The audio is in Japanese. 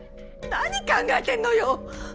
何考えてんのよ！